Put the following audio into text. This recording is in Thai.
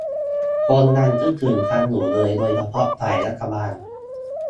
คนยังคิดถึงกันอยู่เลยโดยเฉพาะฝ่ายรัฐบาล